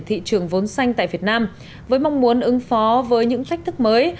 thị trường vốn xanh tại việt nam với mong muốn ứng phó với những thách thức mới